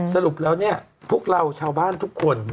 สรุปแล้วเนี่ยพวกเราชาวบ้านทุกคน